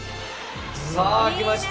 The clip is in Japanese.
さあきました。